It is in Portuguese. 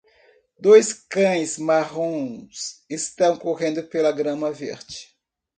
Dois cães marrons estão correndo pela grama verde.